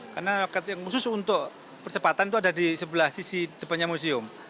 karena loket yang khusus untuk percepatan itu ada di sebelah sisi depannya museum